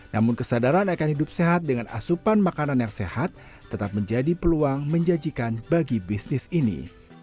namun kesadaran akan hidup sehat dengan asupan makanan yang sehat tetap menjadi peluang menjanjikan bagi bisnis ini